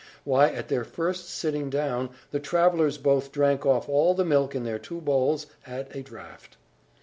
Why, at their very first sitting down, the travellers both drank off all the milk in their two bowls, at a draught.